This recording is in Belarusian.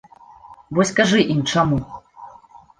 Вось кажы ім чаму!